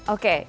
oke itu dan